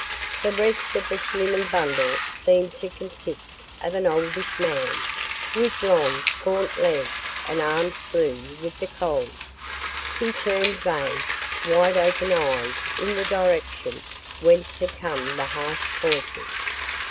The rest of the human bundle seemed to consist of an oldish man, with long, gaunt legs and arms blue with the cold. He turned vague, wide open eyes in the direction whence had come the harsh voices.